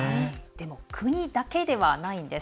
国だけではないんです。